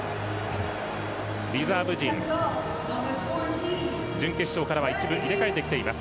リザーブ陣、準決勝からは一部入れ替えてきています。